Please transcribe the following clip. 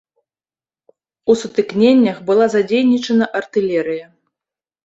У сутыкненнях была задзейнічана артылерыя.